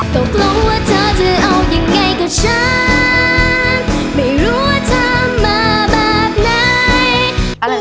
ก็กลัวว่าเธอจะเอายังไงกับฉันไม่รู้ว่าเธอมาแบบไหน